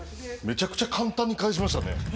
めちゃくちゃ簡単に返しましたね。